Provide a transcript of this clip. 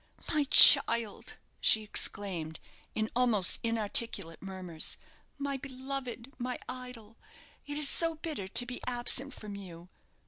"My child!" she exclaimed, in almost inarticulate murmurs; "my beloved, my idol! it is so bitter to be absent from you!